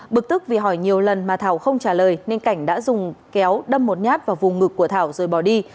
bực tức vì hỏi nhiều lần mà thảo không trả lời nên cảnh đã dùng kéo đâm một nhát vào vùng ngực của thảo rồi bỏ đi